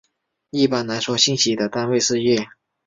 一般来说信息的单位是页。